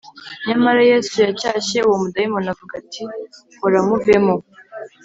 nyamara yesu yacyashye uwo mudayimoni avuga ati: “hora muvemo